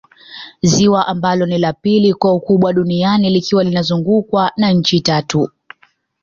Ziwa ambalo ni la pili kwa ukubwa duniani likiwa linazungukwa na nchi Tatu